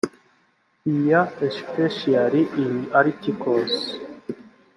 iya especially in articles